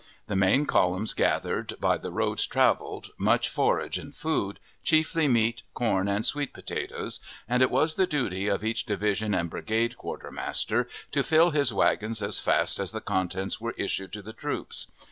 The main columns gathered, by the roads traveled, much forage and food, chiefly meat, corn, and sweet potatoes, and it was the duty of each division and brigade quartermaster to fill his wagons as fast as the contents were issued to the troops.